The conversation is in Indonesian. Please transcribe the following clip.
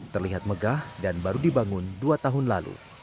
terlihat megah dan baru dibangun dua tahun lalu